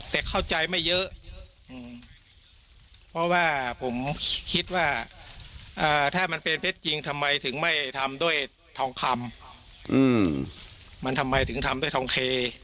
แต่เข้าใจไม่เยอะเพราะว่าผมคิดว่าถ้ามันเป็นเพชรจริงทำไมถึงไม่ทำด้วยทองคำมันทำไมถึงทำด้วยทองเค